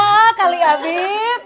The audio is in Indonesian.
perawat kali habib